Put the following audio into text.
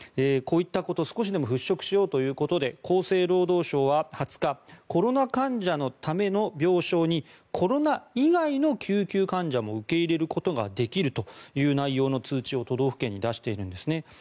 こういったことを少しでも払しょくしようということで厚生労働省は２０日コロナ患者のための病床にコロナ以外の救急患者も受け入れることができるという内容の通知を都道府県に出しているんです。